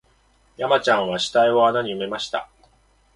山ちゃんは死体を穴に埋めました